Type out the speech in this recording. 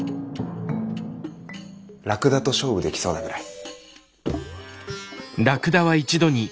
ラクダと勝負できそうなぐらい。